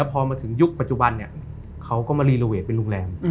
พอมาถึงยุคปัจจุบันเรารูเดทเป็นรู่แรม